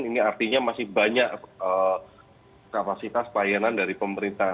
ini artinya masih banyak kapasitas pelayanan dari pemerintah